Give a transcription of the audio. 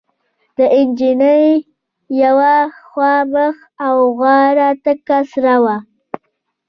د نجلۍ يوه خوا مخ او غاړه تکه سره وه.